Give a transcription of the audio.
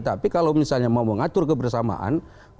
tapi kalau misalnya mau mengatur kebersamaan